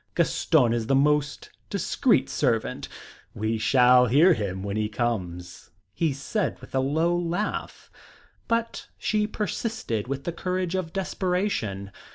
Gaston is the most discreet servant. We shall hear him when he comes," he said with a low laugh. But she persisted with the courage of desperation.